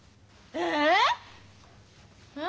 え？